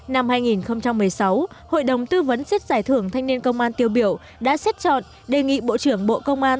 năm hai nghìn một mươi sáu hội đồng tư vấn xét giải thưởng thanh niên công an tiêu biểu đã xét chọn đề nghị bộ trưởng bộ công an